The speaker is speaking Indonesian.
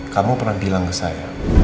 kamu pernah bilang ke saya